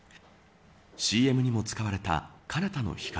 ＣＭにも使われた彼方の光。